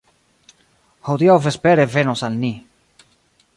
hodiaŭ vespere venos al ni.